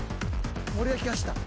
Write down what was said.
森脇が走った。